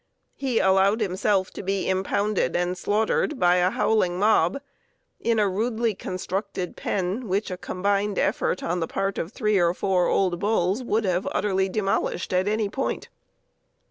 He allowed himself to be impounded and slaughtered by a howling mob in a rudely constructed pen, which a combined effort on the part of three or four old bulls would have utterly demolished at any point.